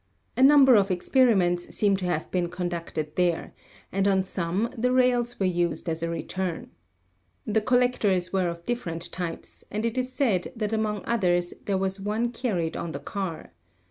A number of experiments seem to have been conducted there and on some the rails were used as a re turn. The collectors were of different types, and it is said that among others there was one carried on the car.